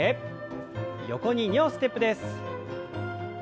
横に２歩ステップです。